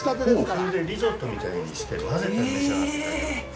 それで、リゾットみたいにして混ぜて召し上がっていただいたら。